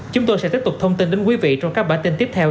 chúng tôi sẽ tiếp tục thông tin đến quý vị trong các bản tin tiếp theo